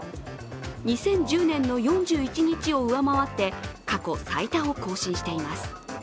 ２０１０年の４１日を上回って過去最多を更新しています。